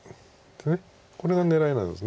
これが狙いなんです。